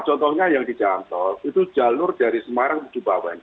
contohnya yang di jawa nontol itu jalur dari semarang ke juba weng